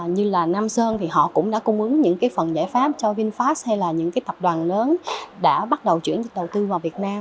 như là nam sơn thì họ cũng đã cung ứng những phần giải pháp cho vinfast hay là những cái tập đoàn lớn đã bắt đầu chuyển đầu tư vào việt nam